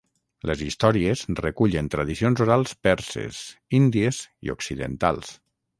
Les històries recullen tradicions orals perses, índies i occidentals.